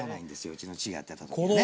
うちの父がやってた時はね。